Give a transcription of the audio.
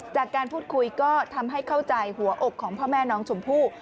จากการพูดคุยก็ทำให้เข้าใจหัวอกของพ่อแม่น้องชมพู่